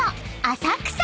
浅草！